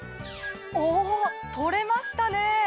お取れましたね！